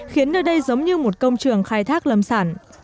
khiến nơi đây giống như một công trường khai thác lâm sản